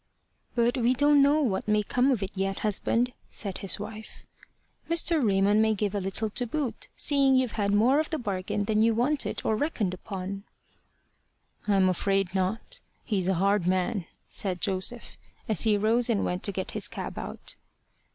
"But we don't know what may come of it yet, husband," said his wife. "Mr. Raymond may give a little to boot, seeing you've had more of the bargain than you wanted or reckoned upon." "I'm afraid not: he's a hard man," said Joseph, as he rose and went to get his cab out.